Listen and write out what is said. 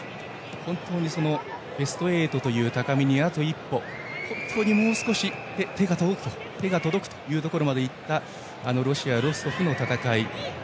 本当に、ベスト８の高みにあと一歩、もう少しで手が届くところまでいったロシア・ロストフの戦い。